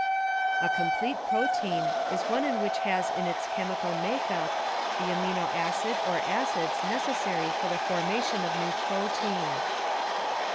A complete protein is one which has in its chemical make up the amino acid or acids necessary for the formation of new protein.